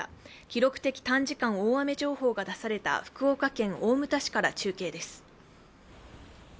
記録的短時間大雨情報が出された福岡県大牟田市から中継です。